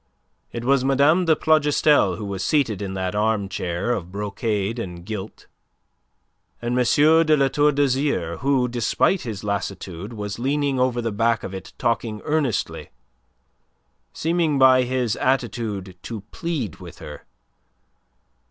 It was Mme. de Plougastel who was seated in that armchair of brocade and gilt, and M. de La Tour d'Azyr who, despite his lassitude, was leaning over the back of it talking earnestly, seeming by his attitude to plead with her.